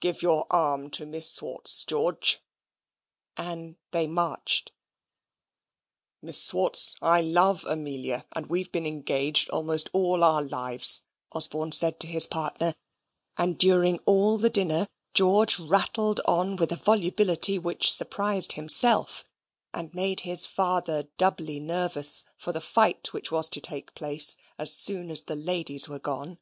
"Give your arm to Miss Swartz, George," and they marched. "Miss Swartz, I love Amelia, and we've been engaged almost all our lives," Osborne said to his partner; and during all the dinner, George rattled on with a volubility which surprised himself, and made his father doubly nervous for the fight which was to take place as soon as the ladies were gone.